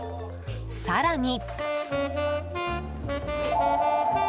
更に。